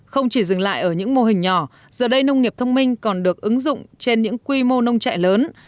không chỉ dừng lại ở những mô hình nhỏ giờ đây nông nghiệp thông minh còn được ứng dụng trên những quy mô nông trại lớn